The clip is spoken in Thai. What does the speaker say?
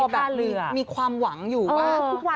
นั่งรอแบบมีความหวังอยู่ว่า